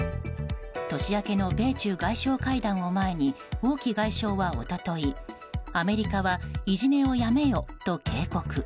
年明けの米中外相会談を前に王毅外相は一昨日アメリカはいじめをやめよと警告。